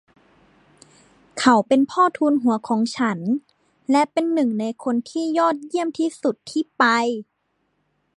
เขาเป็นพ่อทูนหัวของฉัน และเป็นหนึ่งในคนที่ยอดเยี่ยมที่สุดที่ไป